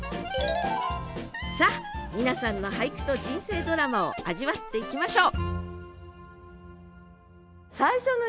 さあ皆さんの俳句と人生ドラマを味わっていきましょう！